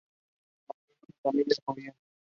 Sung began gymnastics when she was twelve years old.